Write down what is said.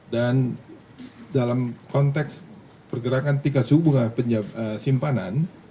dan dalam konteks pergerakan tingkat suku bunga simpanan